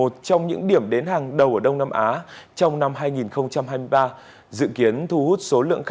từ năm đến hai mươi đồng một lượt